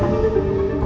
kamu tinggal di rumah